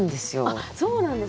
あっそうなんですね。